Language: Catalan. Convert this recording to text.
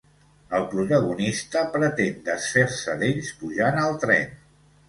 El protagonista pretén desfer-se d'ells pujant al tren.